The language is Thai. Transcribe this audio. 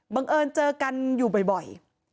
บังเอิญเจอกันอยู่บ่อย